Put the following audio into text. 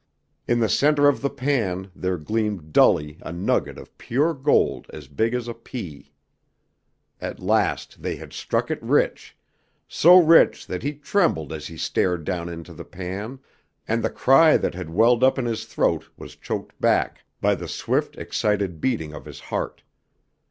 In the center of the pan there gleamed dully a nugget of pure gold as big as a pea! At last they had struck it rich, so rich that he trembled as he stared down into the pan, and the cry that had welled up in his throat was choked back by the swift, excited beating of his heart.